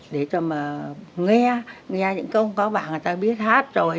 để cho mà nghe nghe những câu có bà người ta biết hát rồi